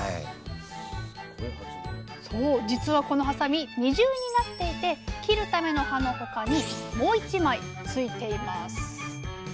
じつはこのはさみ二重になっていて切るための刃のほかにもう１枚ついています。